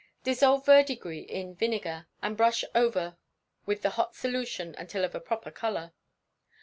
Dissolve verdigris in vinegar, and brush over with the hot solution until of a proper colour.